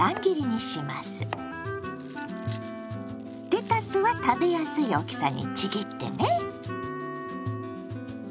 レタスは食べやすい大きさにちぎってね。